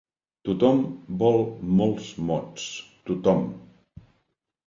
Tothom vol molts mots, tothom!